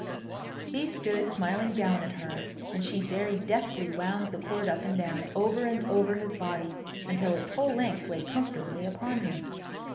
He stood smiling down at her, and she very deftly wound the cord up and down, over and over his body, until its whole length lay comfortably upon him.